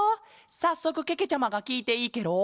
さっそくけけちゃまがきいていいケロ？